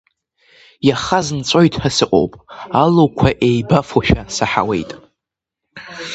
Иахаз нҵәоит ҳәа сыҟоуп, алуқәа еибафошәа саҳауеит…